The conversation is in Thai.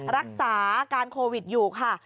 รักษาอาการโควิดอยู่ค่ะ